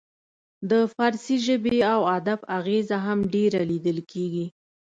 د فارسي ژبې او ادب اغیزه هم ډیره لیدل کیږي